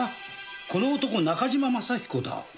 この男中島雅彦だ。え？